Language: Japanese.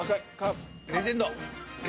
レジェンド。